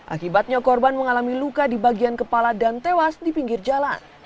akibatnya korban mengalami luka di bagian kepala dan tewas di pinggir jalan